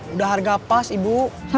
udah harga pas ibu